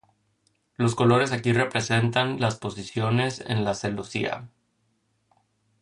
Los colores aquí representan las posiciones en la celosía.